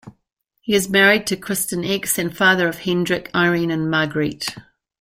He is married to Kristin Ex and father of Hendrik, Irene and Margreet.